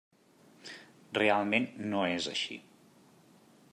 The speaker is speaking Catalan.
Realment no és així.